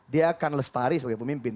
dia akan lestari sebagai pemimpin